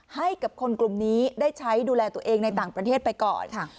ให้กับคนกลุ่มนี้ได้ใช้ดูแลตัวเองในต่างประเทศไปก่อนค่ะ